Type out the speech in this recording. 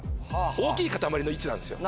大きい塊の位置なんですよ